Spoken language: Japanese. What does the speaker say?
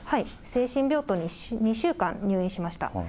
精神病棟に２週間入院しました。